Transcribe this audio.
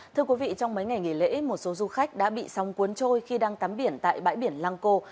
thưa quý vị trong mấy ngày nghỉ lễ một số du khách đã bị sóng cuốn trôi khi đang tắm biển tại bãi biển lăng cô